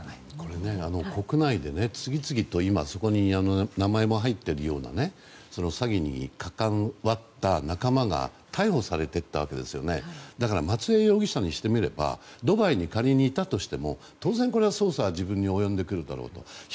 国内で次々とそこに名前が入っているようなその詐欺に関わった仲間が逮捕されていったわけですよねだから、松江容疑者にしてみればドバイに仮にいたとしても当然、捜査は自分に及んでくるだろうと。